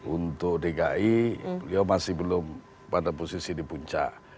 untuk dki beliau masih belum pada posisi di puncak